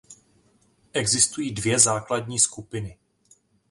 Existují dvě základní skupiny.